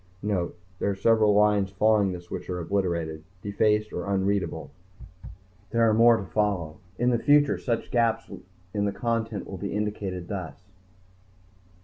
_(Note: There are several lines following this which are obliterated, defaced or unreadable. There are more to follow. In the future such gaps in the content will be indicated thus